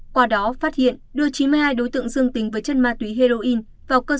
qua đó phát hiện đưa chín mươi hai đối tượng dương tính với chân ma túy heroin vào cơ sở khám phá